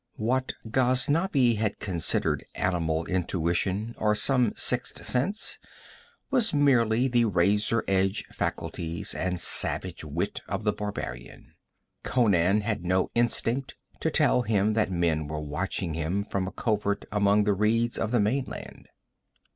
What Ghaznavi had considered animal intuition or some sixth sense was merely the razor edge faculties and savage wit of the barbarian. Conan had no instinct to tell him that men were watching him from a covert among the reeds of the mainland.